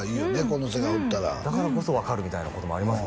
この世界おったらだからこそ分かるみたいなこともあります